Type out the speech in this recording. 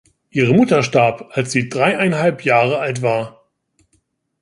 Ihre Mutter starb, als sie dreieinhalb Jahre alt war.